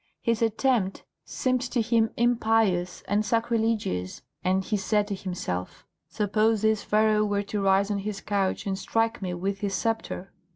His attempt seemed to him impious and sacrilegious, and he said to himself, "Suppose this Pharaoh were to rise on his couch and strike me with his sceptre."